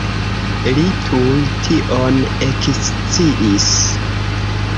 Li tuj tion eksciis.